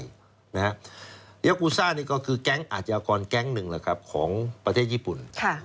ยากูซ่านี่ก็คือแก๊งอาชญากรแก๊งหนึ่งของประเทศญี่ปุ่น